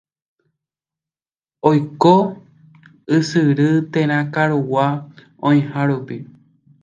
Oiko ysyry térã karugua oĩha rupi.